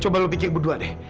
coba lo bikin berdua deh